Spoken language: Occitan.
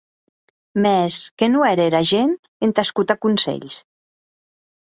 Mès que non ère era gent entà escotar conselhs!